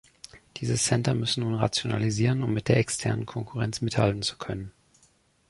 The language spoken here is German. Diese Center müssen nun rationalisieren, um mit der externen Konkurrenz mithalten zu können.